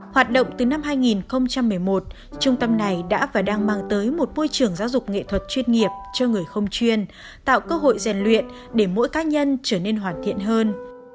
hoạt động từ năm hai nghìn một mươi một trung tâm này đã và đang mang tới một môi trường giáo dục nghệ thuật chuyên nghiệp cho người không chuyên tạo cơ hội rèn luyện để mỗi cá nhân trở nên hoàn thiện hơn